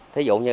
ví dụ như